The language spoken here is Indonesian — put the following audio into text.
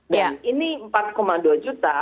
dan ini empat dua juta